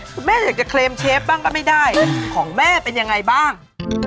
คุณแม่อยากจะเคลมเชฟบ้างก็ไม่ได้ของแม่เป็นยังไงบ้าง